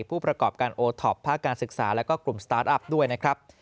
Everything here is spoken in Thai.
ผู้ประกอบการโอท็อปภาคการศึกษาแล้วก็กลุ่มสตาร์ทอัพด้วยนะครับ